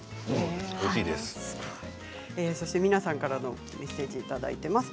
皆さんからのメッセージをいただいてます。